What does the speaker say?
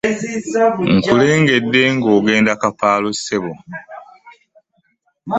Nkulengedde ng'ogenda kapaalo ssebo.